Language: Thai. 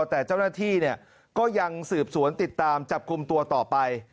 แต่เจ้าหน้าที่ก็ยังสืบสวนติดตามจับกลุ่มตัวต่อไป